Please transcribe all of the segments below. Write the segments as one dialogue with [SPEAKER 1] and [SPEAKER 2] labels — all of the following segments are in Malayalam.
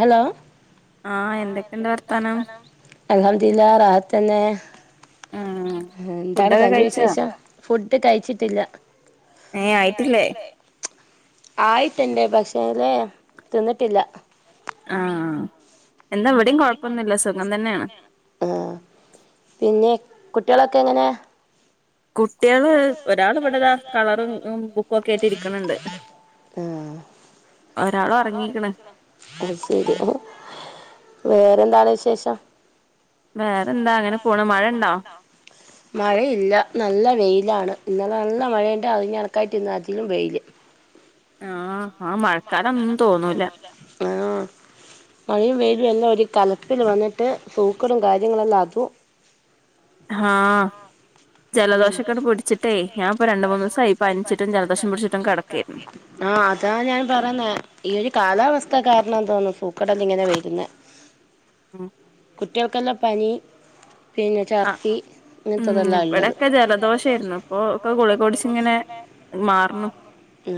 [SPEAKER 1] ഹലോ ആഹ് എന്തൊക്കെയുണ്ട് വർത്തമാനം അൽഹംദുലില്ലാഹ് റാഹത് തന്നെ എന്താണ് തന്റെ വിശേഷം ഫുഡ് കഴിച്ചിട്ടില്ല
[SPEAKER 2] ഏ ആയിട്ടില്ലേ
[SPEAKER 1] ആയി തന്റെ പക്ഷേലെ തിന്നിട്ടില്ല
[SPEAKER 2] അ അ
[SPEAKER 1] ആ പിന്നെ കുട്ടികളൊക്കെ എങ്ങനെ
[SPEAKER 2] കുട്ടികള് ഒരാൾ ഇവിടെ കളറും ബുക്കും ഒക്കെ ആട്ട് ഇരിക്കണണ്ട്
[SPEAKER 1] ആഹ അ ശരി വേറെന്താണ് വിശേഷം
[SPEAKER 2] വേറെന്താ അങ്ങനെ പോണ മഴ ഇണ്ടോ
[SPEAKER 1] മഴയില്ല നല്ല വെയിലാണ് ഇന്നലെ നല്ല മഴയുണ്ട അതിഞ്ഞറക്കായിട്ട് ഇന്ന് അതിലും വെയില്
[SPEAKER 2] ആഹ
[SPEAKER 1] അ [unintelligible] എല്ലാം ഒരു കലപ്പിൽ വന്നിട്ട് സൂക്കളും കാര്യങ്ങളുംല്ലാം അതും
[SPEAKER 2] ആഹ ജലദോഷൊക്കെ പിടിട്ടേ ഞാൻപ്പൊ രണ്ട മൂന്ന് ദിവസമായി പ അനിച്ചിട്ടും ജലദോഷം പിടിച്ചിട്ടും കടക്കയരുന്നു
[SPEAKER 1] ആഹ അതാണ് ഞാൻ പറയുന്ന ഈ ഒരു കാലാവസ്ഥ കാരണം ണം തോന്നുന്നു സൂക്കടല്ല ഇങ്ങനെ വരുന്ന കുട്ടികൾക്കെല്ലാം പനി പിന്നെ ചർത്തി ഇങ്ങനത്തതെല്ലാ ഉള്ളത് ഉ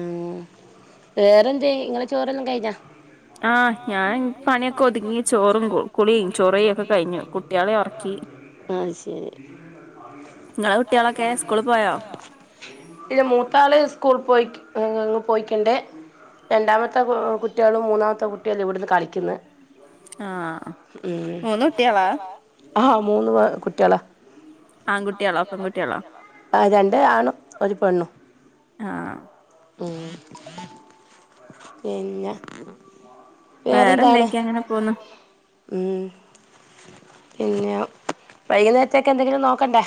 [SPEAKER 1] വേറെന്ത ഇങ്ങളെ ചോറെല്ലാം കഴിഞ്ഞാ
[SPEAKER 2] ആഹ് ഞാൻ പണിയൊക്കെ ഒതുങ്ങി ചോറും കുളി
[SPEAKER 1] ആ ശരി ഇത് മൂത്താല് സ്കൂ അ പോയിക്കണ്ട രണ്ടാമത്തെ കുട്ടികളും മൂന്നാമത്തെ കു കുട്ടിയല്ല ഇവിടുന്ന് കളിക്കന്ന്
[SPEAKER 2] ആ മന്നൂട്ടിയള
[SPEAKER 1] ആ മൂന്ന് കുട്ടികളെ
[SPEAKER 2] ആൺകുട്ടിയളോ പെൺകുട്ടിയാളോ
[SPEAKER 1] ആ രണ്ട് ആണ ഒരു പെണ്ണു
[SPEAKER 2] ആ
[SPEAKER 1] മ്മ് പിന്നെ
[SPEAKER 2] വേറെന്തക്കെയ അങ്ങനെ പോന്ന
[SPEAKER 1] ഉം പിന്നെ വൈകുന്നേരത്തൊക്കെ എന്തെങ്കിലും നോക്കണ്ടേ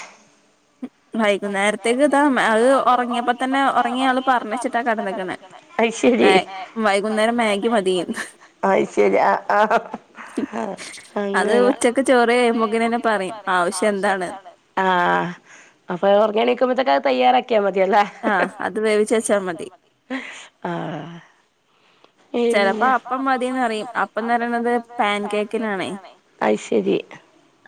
[SPEAKER 2] വൈകുന്നേരത്തേക്ക് ഇതാ അത് ഉറങ്ങിയപ്പോ തന്നെ ഉറങ്ങിയ ആള് പറഞ്ഞ വച്ചിട്ടാ കടന്നിക്കണ
[SPEAKER 1] അ ശരി വൈകുന്നേരം അ ശരി ആ ആ ആ അങ്ങന ഉച്ചക്ക ചോറി കഴിയുമ്പോക്കെ പറയും ആവശ്യം എന്താണ് ആ അപ്പൊ ഓർഗാനിക്കുമ്പോത്തൊക്ക അത് തയ്യാറാക്കി മതിയല്ല വി മ ആഹ
[SPEAKER 2] ചിലപ്പോ അപ്പം മതിന്ന്റിയും അപ്പന്ന്റയണത് പാൻ കേക്കിനാണേ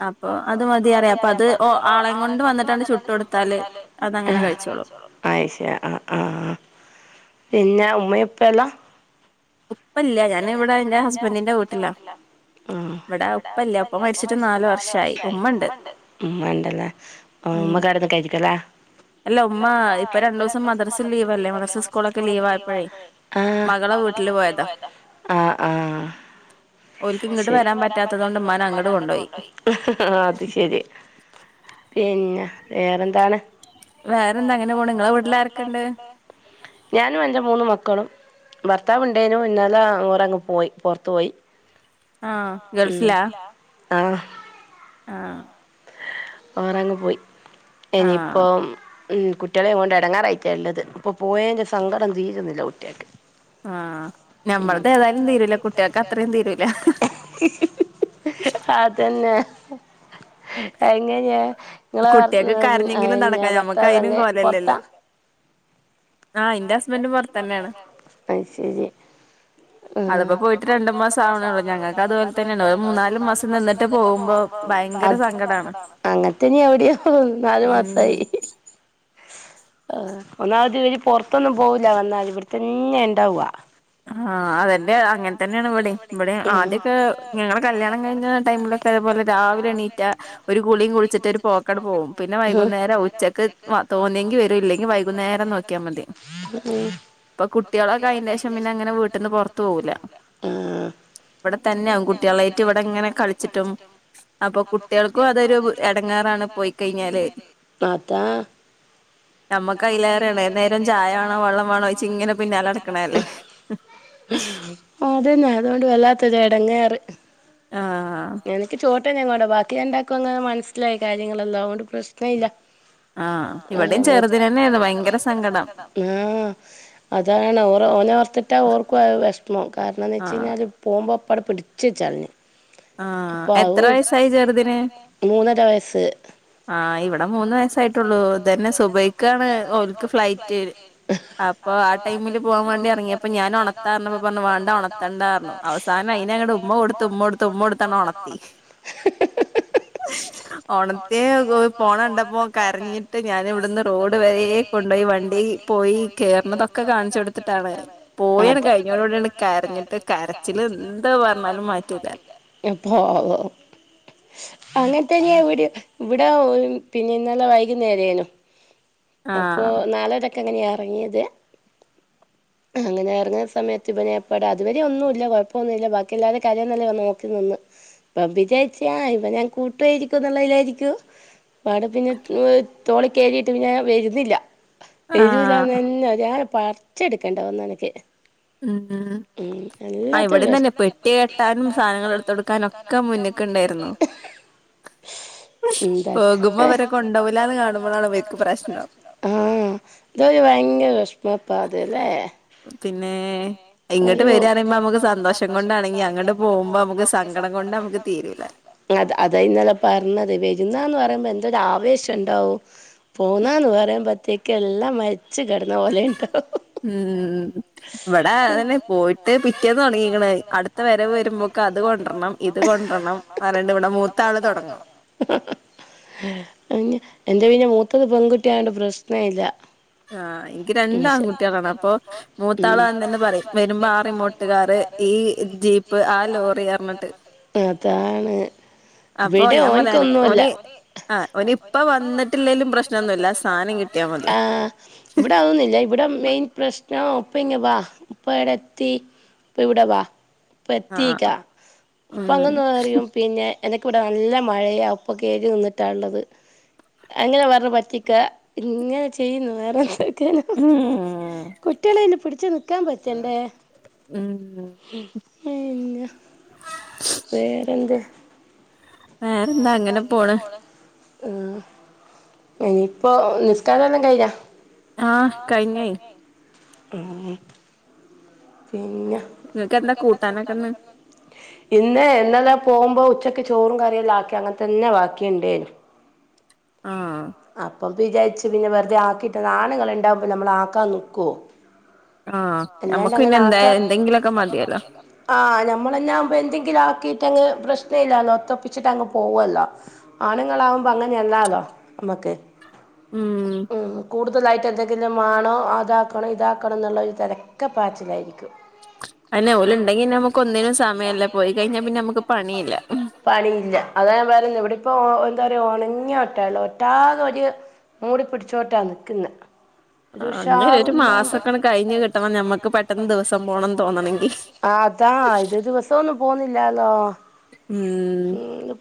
[SPEAKER 2] അപ്പൊ അത് മതി അറിയാം അപ്പൊ അത് ആളെം കൊണ്ട് വന്നിട്ടണ്ട് ചുട്ട് കൊടുത്താല് അത് അങ്ങനെ കഴിച്ചോളൂ
[SPEAKER 1] ആശ ആഹ ആഹ പിന്നെ ഉമ്മപ്പ എല്ലാ ഉപ്പല്ല ഞൻ ഇവിടെ എന്റെ ഹസ്ബൻറിിന്റെ കൂട്ടില ഇവിടെ ഉപ്പല്ല അപ്പ മ ഉമ്മ ഉണ്ടല്ല ഉമ്മ കാരന്ന കിക്കല്ല അല്ല ഉ് ഇപ്പൊ രണ്ടു ദിവസം മദ്രസിൽ ലീവ്ല്ലേ മദ സ്കൂളൊക്കെ ലീവ ആ മകളെ ആ ആ ശരിട്ട് വരാൻ പറ്റാത്തതുകൊണ്ട് ഉ്മാൻ അങ്ങോട്ട് കൊണ്ടുപോയി അത് ശരി പിന്നെ വേറെന്താണ് വേറെന്തണ്ട് ഞാനും എന്റെ മൂന്ന മക്കളും ഭർത്താവ്ുണ്ടേനു ഇന്നാലങ്ങരങ്ങ് പോയി പുറത്തു പോയി
[SPEAKER 2] ആഹ ഗേൾസ്ില
[SPEAKER 1] ആ
[SPEAKER 2] ആ
[SPEAKER 1] ഉറങ്ങി പോയി ഇനിയിപ്പം ഉം കുട്ടികളെ കൊണ്ട് ഇടങ്ങാറായിട്ടാള്ളത് ഉപ്പ പോയേന്റെ സങ്കടം തീരുന്നില്ല കുട്ടികൾക്ക് നമ്മളടെ ഏതായും തിരില്ല കുട്ടികൾളുടെ അത്ര തിരില്ല അത് തന്നെ [unintelligible] നിങ്ങളെന്ന ഭർത്താവെ പൊറത്താ ആഹ് എന്റെ ഹുസ്ബൻഡ് പുറത്ത് തന്നെയാണ് അത് ശരി ഉം അത് ഇപ്പം പോയിട്ട് രണ്ടു മാസം ആവണേള്ളൂ ഞങ്ങക്ക് അതുപോലെ തന്നെയ മൂന്നാല് മാസം നിന്നിട്ട് പോകുമ്പോ ഭയങ്കര സങ്കടം ആണ് അന്നിട്ട് ഇവിടെയും നാല് മാസയി ഒന്നാമത് ഇവര് പുറ ത്തോന്നും പോവില്ല വന്നാൽ ഇവിടത്തന്നെ ഉണ്ടാവാ
[SPEAKER 2] ആഹ് അതെന്റെ അങ്ങന അങ്ങനെ തന്നെയാണ് ഇവിടെ ഇവിടെ ആദ്യക്കെ ഞങ്ങള്ൾ കല്യാണം കഴിഞ്ഞ ടൈമിലൊക്കെ അതുപോലെ രാവിലെ എണീറ്റ ഒരു കുളിയും കുളിച്ചിട്ട് ഒരു പോക്കടെ പോകും പിന്നെ വൈകുന്നേരം ഉച്ചക്ക് തോന്നിയെങ്കി വരും ഇല്ലെങ്കിൽ വൈകുന്നേ
[SPEAKER 1] നേരം നോക്കിയാ മതി
[SPEAKER 2] ഇപ്പൊ കുട്ടികളൊക്കെ ആയെന് ശേഷം പിന്നെ അങ്ങനെ വീട്ടീന്ന് പുറത്തു പോകൂല്ല
[SPEAKER 1] ആഹ്
[SPEAKER 2] ഇവിടെ തന്നെയ ആകും കുട്ടികളായിട്ട് ഇവിടെ ഇങ്ങനെ കളിച്ചിട്ടും അപ്പൊ കുട്ടികൾക്കും അതൊരു ഇടങ്ങേ
[SPEAKER 1] [unintelligible] പോയി കഴിഞ്ഞലേ അതാ
[SPEAKER 2] നമ്മുക്ക് അയിലേറേയാണ് ഏത് നേരം ചായ വേണോ വെള്ളം വേണോ ചോദിച്ച് ഇങ്ങനെ പിന്നാല അടക്കണ അല്ലേ
[SPEAKER 1] [inaudible] അതന്നാ അതുകൊണ്ട് വല്ലാത്ത എടങ്ങേറ് ആഹ് എനിക്ക് ട്ടോ ഞങ്ങോട് ബാക്കി രണ്ടാക്കും അങ്ങനെ മനസ്സിലായി കാര്യങ്ങളല്ലാം അത്കൊണ്ട് പ്രശ്ന ഇല്ല
[SPEAKER 2] ആഹ്
[SPEAKER 1] ആഹ് ചെറുതിനു തന്നെയാണ് ഭയങ്കര സങ്കടം ഉം അതാണ് അവർ ഓ ഓന അവ സ്ഥാ ത്തിട്ടാ ഓർമ വിഷമം കാരണം എന്ന് വെച്ച് കഴിഞ്ഞാൽ പോമ്പം നമ്മള് പിടിച്ച് വെച്ചളി ആഹ് അപ്പ എത്ര വയസായി മൂന്നര വയസ്സ്
[SPEAKER 2] ആഹ് ഇവിടെ മൂന്ന് വയസായിട്ടുള്ളൂ തന്നെ സുബൈക്കാണ് ഓൾക്ക് ഫ്ലൈറ്റ് അപ്പൊ ആ ടൈമില് പോവാൻ വേണ്ടി ഇറങ്ങിയപ്പോ ഞാൻ ഉണത്താ പറഞ്ഞ വേണ്ട ഉണത്തണ്ടാണ് അവസാനം അയിന് അങ്ങടെ ഉമ്മ കൊടുത്ത് ഉമ്മ കൊടുത്ത് ഉമ്മ കൊടുത്തണ് ഉണത്തി ഉണത്തി പോണ കണ്ടപ്പോ കരഞ്ഞിട്ട് ഞാന് ഇവിടുന്ന് റോഡ് വരെ കൊണ്ടുപോയി വണ്ടി പോയി ചേർന്നതൊക്കെ കാണിച്ചു കൊടുത്തിട്ടാണ് പോയാണ് കഴിഞ്ഞോട്
[SPEAKER 1] ഇവിടെ ഒരാള് കരഞ്ഞിട്ട് കരച്ചില് എന്തോ പറഞ്ഞാലും മാറ്റില്ല [unintelligible] അങ്ങനത്തന്നേ ഇവിടെ ഇവിടാ പിന്നെ ഇന്നലെ വൈകുന്നേരേനു അപ്പൊ നാലരൊക്ക് എങ്ങനെയാ ഇറങ്ങിയത്
[SPEAKER 2] [inaudible]
[SPEAKER 1] അങ്ങനെ ഇറങ്ങുന്ന സമയത്ത് ഇവന് പ്പട അതുവരെ ഒന്നും ഇല്ല കുഴപ്പമൊന്നുമില്ല ബാക്കി എല്ലാവരും കരയുന്നത് നോക്കി നിന്ന് ഇവൻ വിചാരിച്ചു ഇവനെ കൂട്ട്യിരിക്കുംള്ളവിചാരിക്കു ഉപ്പാടെ പിന്നെ തോളി കയറിട്ട് പിന്നെ വരുന്നില്ല വരൂലന്ന് തന്നെ ഞാൻ പറച്ചെടുക്കണ്ട വന്ന്ന് എനിക്ക്
[SPEAKER 2] ഉം ആഹ് ഇവിട തന്നെ പെട്ടിയ കെട്ടാനും സാധനങ്ങൾ എടുത്തൊടുക്കാനൊക്കെ മുന്നക്കുണ്ടായിരുന്നു. പോകുമ്പോ അവരെ കൊണ്ടുവൂല്ല എന്ന് കാണുമ്പോഴാ അവർക്ക് പ്രേ
[SPEAKER 1] പ്രശ്നം ഉം ഇതൊരു ഭയങ്കര വിഷമ ഇപ്പം അല്ലേ പിന്നെ ഒരു ഇങ്ങോട്ട് വരുവാന് അറിയുമ്പോ നമുക്ക് സന്തോഷം കൊണ്ടാണെങ്കി അങ്ങോട്ട് പോകുമ്പോ നമുക്ക് സങ്കടം കൊണ്ട് നമുക്ക് തീരുല്ല അ അതാ ഇന്നലെ പറഞ്ഞത് വരുവാന് പറയുമ്പം എന്തൊരു ആവേശംണ്ടാവും എല്ലാം മരിച്ച് കിടന്ന പോലെണ്ടാവും
[SPEAKER 2] ഉം ഇവിടെ അതന്നെ പോയിട്ട് പിറ്റേന്ന് തുടങ്ങിക്ക്ണ് അടുത്ത വരവ് വരുമ്പോക്ക് അത് കൊണ്ടരണം ഇത് ണ്ടണം വരണ്ട ഇവിടെ മൂത്താ ആള് തുടങ്ങണം
[SPEAKER 1] എന്റെ പിന്നെ മൂത്തത് പെൺകുട്ടിയായോണ്ട് പ്രശ്ന ഇല്ല
[SPEAKER 2] ആഹ് എനിക്ക് രണ്ട ആൺകുട്ടികളാണ് അപ്പൊ മൂത്താളാന്ന് തന്നെ പറയും വരുമ്പോ ആ റിമോട്ടുകാര് ഈ ജീപ്പ് ആ ലോറി പറഞ്ഞട്ട് അപ്പൊ ഞാൻ പറഞ്ഞ ന് അന ഓൻ ഇപ്പ വന്നിട്ടില്ലേൽ
[SPEAKER 1] ആ ഇവിടെ അതൊന്നില്ല ഇവിടെ മെയിൻ പ്രശ്നം അപ്പ ങ്ങ് വാ ഇപ്പ എടത്തി പ്പ വിട വാ ഇപ്പ എത്തിക്ക ഇപ്പ അങ്ങ്ന്ന് അറിയും പിന്നെ എനക്ക് ഇവിടെ നല്ല മഴയ ഒപ്പൊ കഴ നിന്നിട്ടാ ഉള്ളത് അങ്ങനെ പറഞ്ഞ പറ്റിക്കാ ഇങ്ങനെ ചെയ്യുന്നു വേറെന്ത കുട്ടികള ഇെ പിടിച്ച നിക്കാൻ പറ്റണ്ടേ ഉ വേറെന്ത്
[SPEAKER 2] വേറെന്താ അങ്ങനെ പോണ്
[SPEAKER 1] ഉം ഇനിപ്പോ നിസ്കാരം എല്ലാം കഴിഞ്ഞോ ആ കഴിഞ്ഞ് പിന്നെയോ നിങ്ങൾക്ക് എന്താ കൂട്ടനോക്കെ ഇന്ന് ഇന്ന് എന്നലെ പോകുമ്പോ ഉച്ചക്ക് ചോറും കറിയെല്ലാം ആക്കി അങ്ങനെ തന്നെ ബാക്കി ഉണ്ടേനു അ അപ്പം വിജാരിച്ച് പിന്നെ വെറുതെ ആക്കിയിട്ട് ആണുൾ ഉണ്ടാവുമ്പൾ നമ്മൾ ആക്കാൻ നിക്കുവോ
[SPEAKER 2] ആ നമ്മക്ക്
[SPEAKER 1] അങ്ങനെ അക്കാൻ എന്തെങ്കിലൊക്കെ മതിയല്ലോ ഞമളെലാം എന്തെങ്കിലും അകീട്ട് പോവും ങ്ങ് പ്രശ്ന ഇല്ലല്ലോ ഒത്തപ്പിച്ചിട്ട് അങ്ങ് പോവല്ലോ ആണുങ്ങാവുമ്പോ അങ്ങനെയ അല്ലാലോ നമ്മക്ക് ഉം കൂടുത കൂടുതലായിട്ട് എന്തെങ്കിലും ആണോ അതാക്കണോ ഇതാക്കണം എന്നുള്ളരു തിരക്ക പാച്ചിലായിരിക്കും ഓല് ഉണ്ടെങ്കി നമുക്ക് ഒന്നിനും സമയല്ല പോയി കഴിഞ്ഞാ പിന്നെ നമ്മക്ക് പണിയില്ല ഇവിടി ഇപ്പൊ എന്താ പറയാ ഉണങ്ങിയ ഒട്ടല്ലോ ഒറ്റാത ഒരു മൂടി പിടിച്ചോട്ടാ നിക്കുന്നെ
[SPEAKER 2] അങ്ങനെ ഒരു മാസക്കാണ് കഴിഞ്ഞ് കിട്ടണം ഞമ്മക്ക്
[SPEAKER 1] ആ അതാ ഇത് ദിവസം ഒന്നും പോുന്നില്ലാലോ
[SPEAKER 2] ഉം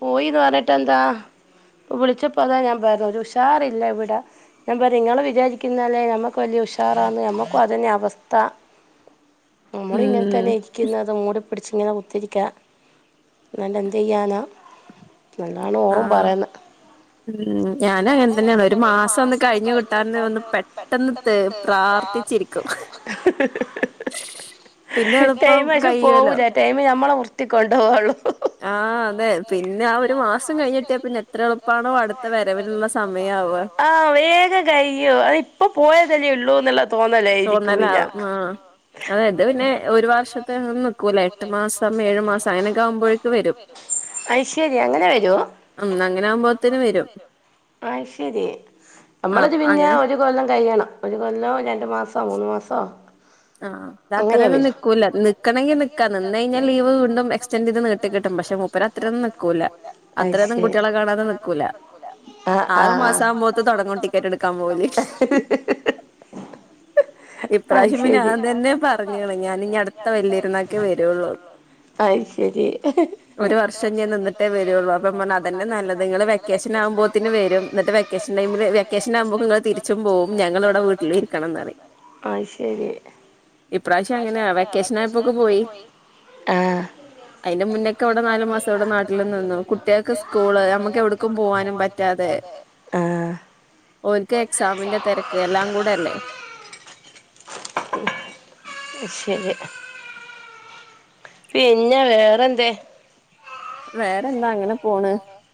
[SPEAKER 1] പോയിന്ന് പറഞ്ഞിട്ട് എന്താ വിളിച്ചപ്പോ അതാ ഞാൻ പറഞ്ഞു ഉഷാറില്ല ഇവിടെ ഞാൻ പറ നിങ്ങള്ൾ വിചാരിക്കുന്നാലേഞമ്മുക്ക് വലിയ ഉഷാറാന്ന് ഞമ്മുക്കും അതന്നെ അവസ്ഥ ത നമ്മളിങ്ങനെ തന്നെ ഇരിക്കുന്നത്തുംങ്ങൂടി പിടിച്ചിങ്ങനെ കുത്തിരിക്കുക എന്നല്ല എന്ത് ചെയ്യാനാ നല്ലാണ് ഓറും പറയ്ന്നെ
[SPEAKER 2] ഉം ഞാൻ അങ്ങനെ തന്നെയാണ് ഒരു മാസം ഒന്ന് കഴിഞ്ഞ കിട്ടാൻ ഒന്ന് പെട്ടെന്ന് ത പ്രാർത്ഥി ചിരിക്കും
[SPEAKER 1] ങഹ ടൈംക്ഷേ പോകൂല്ല ടൈമ് ഞമ്മളെ വ്യത്തി കൊണ്ടപോകൊള്ളു
[SPEAKER 2] ആ അതെ പിന്നെ ആ ഒരു മാസം കഴിഞ്ഞിട്ടേ പിന്നെ എത്ര എളുപ്പാണോ അടുത്ത വരവിലുള്ള സമയമാവും
[SPEAKER 1] ആ വേഗം കയ്യോ അത് ഇപ്പ പോയതല്ലേ ഉള്ളൂ എന്നുള്ള തോന്നലായിരിക്കും
[SPEAKER 2] നല്ലും ആ അതെ അത് പിന്നെ ഒരു വർഷത്തെന്നും നിക്കൂല എട്ട് മാസം ഏഴു മാസം അങ്ങനെയൊക്കെ ആകുമ്പോഴേക്ക് വരും
[SPEAKER 1] ഐശെരി അങ്ങനെ വരൂ
[SPEAKER 2] ഉം അങ്ങനെ ആകുമ്പൊത്തിനി വരും
[SPEAKER 1] ആ് ശരി നമ്മളത് പിന്നെ ഒരു കൊല്ലം കഴിയണം ഒരു കൊല്ലം രണ്ടു മാസം മൂന്നു മാസോ
[SPEAKER 2] ആഹ് അത്ര ഒന്നും നിക്കൂല്ല നിക്കണമെങ്കിൽ നിക്കാ നിന്ന് കഴിഞ്ഞാൽ ലീവ് കൊണ്ടും എക്സ്റ്റെൻഡ് ചെയ്ത് നീട്ടിട്ട കിട്ടും പക്ഷെ മുപ്പര അത്രൊന്നും നിക്കൂല അത്രൊന്നും കുട്ടികളെ കാണാതെ നിക്കക്കൂല ആറു മാസം ആകുമ്പോത്തെ തുടങ്ങും ടിക്കറ്റ് എടുക്കാൻ പോവലേ എ്
[SPEAKER 1] ശ അഹ് ശരി ഒരു വർഷം ഞാൻ നിന്നിട്ട വരള്ളൂ അപ്പ നമ്മ അതന്നെ നല്ലത് നിങ്ങള് വെക്കേഷൻ ആകുമ്പോ
[SPEAKER 2] വെക്കേഷൻ ടൈമില് വെക്കേഷൻ ആകുമ്പോ നിങ്ങങ്ങള് തിരിച്ചും പോവു ഞങ്ങള ഇവിടെ വീട്ടിൽ ഇരിക്കണംന്ന്യും
[SPEAKER 1] ശരി
[SPEAKER 2] ഇപ്രാവശ്യം അങ്ങനെയാ വെക്കേഷൻയപ്പോക്കെ പോയി അതിന്റെ മുന്നൊക്കെ ഇവിടെ നാലു മാസം ഇവിടെ നാട്ടിൽ നിന്നു കുട്ടികൾക്ക് സ്കൂള് നമ്മുക്ക് എവിടെ പോവാനും പറ്റാതെ ഓല്ക്ക് എക്സാമിന്റെ തിരക്ക് എല്ലാം കൂടെ അല്ലേ
[SPEAKER 1] ഇ ശരി പിന്നെ വേറെ എന്ത
[SPEAKER 2] വേറെന്താ അങ്ങനെ പോണ്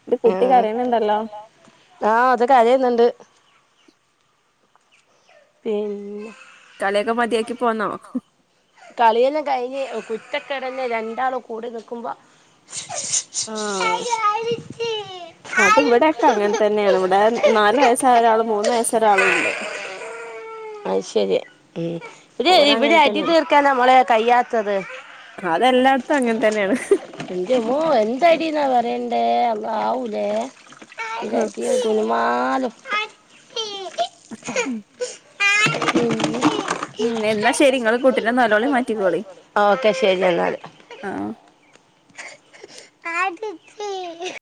[SPEAKER 2] ഇത് കുട്ടിക്കരിയണണ്ടല്ലോ
[SPEAKER 1] പിന്നെ കളിയെല്ലാം കഴിഞ്ഞ് ഒറ്റക്കിടന്നെ രണ്ടാളോ കൂടെ നി ക്കുമ്പോ
[SPEAKER 2] ആ
[SPEAKER 1] കീഴ്
[SPEAKER 2] അത് ഇവിടെൊക്കെ അങ്ങനെ തന്നെയാണ് ഇവിടെ നാലു വയസ്സായ ഒരാളും മൂന്ന് വയസ്സ ഒരാളും ഉണ്ട് [inaudible]
[SPEAKER 1] അയ് ശരി ഇത് ഇവിടെ അടി തീർക്കാൻനാ മോളെ കയ്യാത്തത്
[SPEAKER 2] അതെല്ലാടത്ത
[SPEAKER 1] എന്റെമ്മോ എന്താടി എന്നാ പറയണ്ടേ അല്ല ആവൂല ഇതാ എല്ലാത്തിനും കുലുമാലും
[SPEAKER 2] ഉം
[SPEAKER 1] ഉം ഓക്കെ ശരി എന്നെന്നാൽ
[SPEAKER 2] ആആ
[SPEAKER 1] ആടിിച്ച